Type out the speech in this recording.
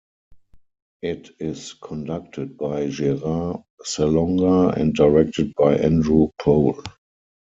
It is conducted by Gerard Salonga and directed by Andrew Pole.